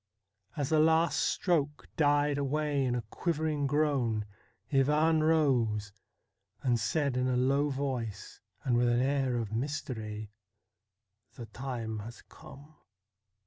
As the last stroke died away in a quivering groan Ivan rose, and said in a low voice, and with an air of mystery :' The time has come.'